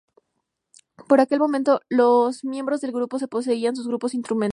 Por aquel momento, los miembros del grupo ni poseían sus propios instrumentos.